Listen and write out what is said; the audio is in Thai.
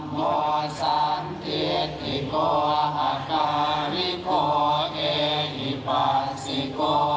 โงสังเทียดทิโกหาการิโกเออิปาสิโก